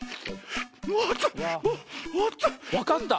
わかった。